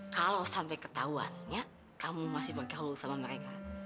kalau sampai ketahuan kamu masih bergaul sama mereka